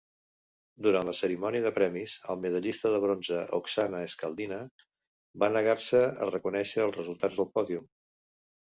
Durant la cerimònia de premis, el medallista de bronze Oksana Skaldina va negar-se a reconèixer els resultats del pòdium.